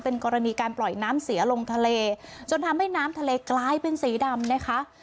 กรณีการปล่อยน้ำเสียลงทะเลจนทำให้น้ำทะเลกลายเป็นสีดำนะคะ